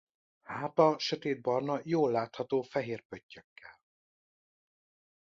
Háta sötétbarna jól látható fehér pöttyökkel.